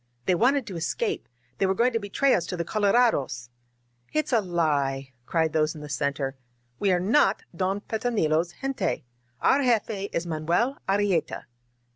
"They wanted to escape! They were going to betray us to the colorados!" "It's a lie !" cried those in the center. "We are not Don Petronilo's gente! Our jefe is Manuel Arrieta